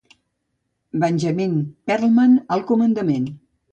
Benjamin Perlman al comandament.